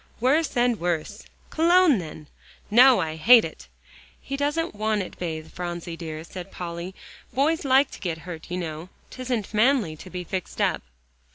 "Worse and worse." "Cologne, then." "No, I hate it." "He doesn't want it bathed, Phronsie dear," said Polly. "Boys like to get hurt, you know. 'Tisn't manly to be fixed up."